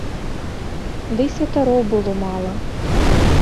Дый святароў было мала.